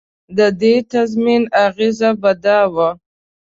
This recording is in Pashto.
د دې تضمین اغېزه به دا وه.